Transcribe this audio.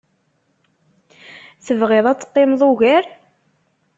Tebɣiḍ ad teqqimeḍ ugar?